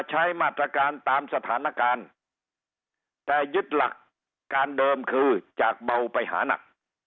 ใช้มาตรการตามสถานการณ์แต่ยึดหลักการเดิมคือจากเบาไปหานัก